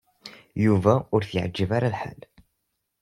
Yuba ur t-yeɛjib ara lḥal.